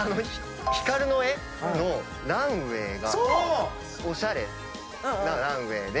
光の絵のランウェイがおしゃれなランウェイで。